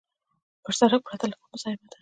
پر سړک پرته له کوم مزاحمته.